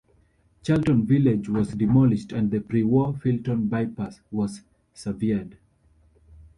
Charlton village was demolished and the pre-war Filton bypass was severed.